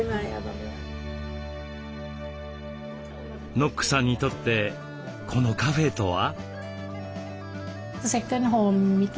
ノックさんにとってこのカフェとは？